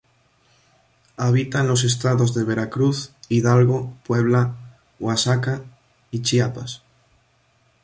Habita en los estados de Veracruz, Hidalgo, Puebla, Oaxaca y Chiapas.